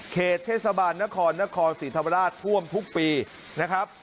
เขตเทศบาลนครนครศรีธรรมราชท่วมทุกปีนะครับ